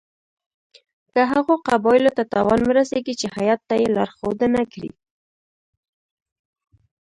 که هغو قبایلو ته تاوان ورسیږي چې هیات ته یې لارښودنه کړې.